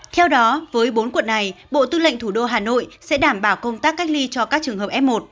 theo đó với bốn quận này bộ tư lệnh thủ đô hà nội sẽ đảm bảo công tác cách ly cho các trường hợp f một